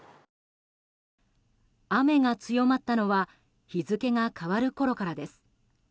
雨が強まったのは日付が変わるころからです。